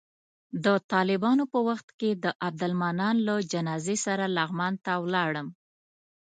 د طالبانو په وخت کې د عبدالمنان له جنازې سره لغمان ته ولاړم.